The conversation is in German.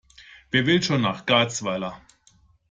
Wer will schon nach Garzweiler?